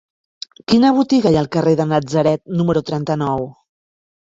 Quina botiga hi ha al carrer de Natzaret número trenta-nou?